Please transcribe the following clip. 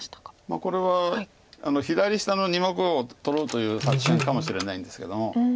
これは左下の２目を取ろうという作戦かもしれないんですけども。